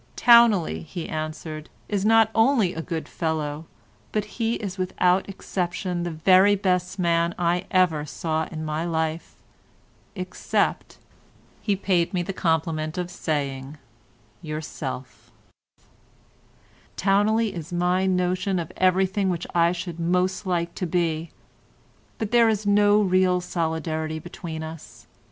"Towneley," he answered, "is not only a good fellow, but he is without exception the very best man I ever saw in my life—except," he paid me the compliment of saying, "yourself; Towneley is my notion of everything which I should most like to be—but there is no real solidarity between us.